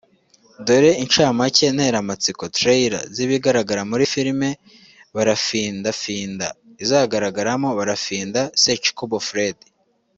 Dore inshamake nteramatsiko (trailer) z’ibizagaragara muri filimi Barafindafinda izagaragaramo Barafinda Sekikubo Fred